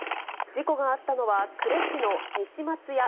事故があったのは、呉市の西松屋